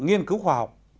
nghiên cứu khoa học